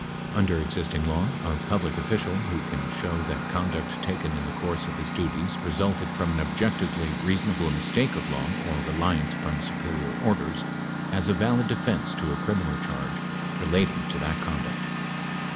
Under existing law, a public official, who can show that conduct taken in the course of his duties resulted from an objec tively reasonable mistake of law or reliance upon superior orders, has a valid defense to a criminal charge relating to that conduct.